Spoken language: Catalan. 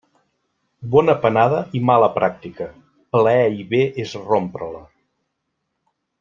Bona panada i mala pràctica, plaer i bé és rompre-la.